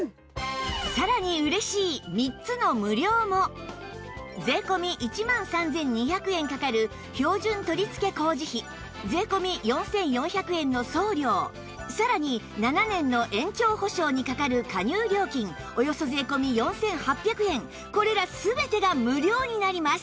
さらに税込１万３２００円かかる標準取り付け工事費税込４４００円の送料さらに７年の延長保証にかかる加入料金およそ税込４８００円これら全てが無料になります